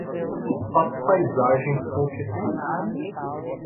Faço paisagens com o que sinto.